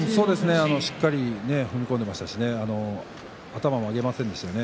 しっかり踏み込んでいましたね頭を上げませんでしたね。